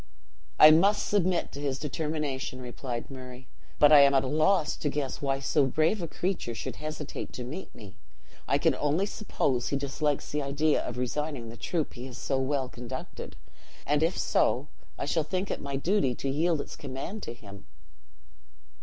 "I must submit to his determination," replied Murray; "but I am at a loss to guess why so brave a creature should hesitate to meet me. I can only suppose he dislikes the idea of resigning the troop he has so well conducted; and if so, I shall think it my duty to yield its command to him."